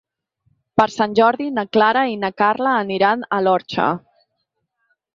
Per Sant Jordi na Clara i na Carla aniran a l'Orxa.